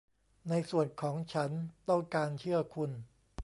ในส่วนของฉันต้องการเชื่อคุณ